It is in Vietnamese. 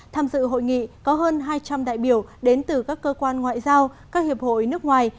tham dự hội nghị có hơn hai trăm linh đại biểu đến từ các cơ quan ngoại giao các hiệp hội nước ngoài